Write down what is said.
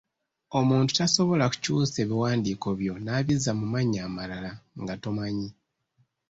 Omuntu tasobola kukyusa biwandiiko byo n’abizza mu mannya amalala nga tomanyi.